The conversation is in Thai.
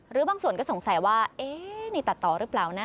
หรือบางส่วนก็สงสัยว่าเอ๊ะนี่ตัดต่อหรือเปล่านะ